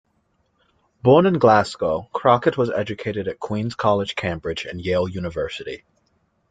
Born in Glasgow, Crockett was educated at Queens' College, Cambridge and Yale University.